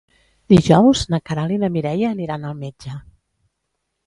Dijous na Queralt i na Mireia aniran al metge.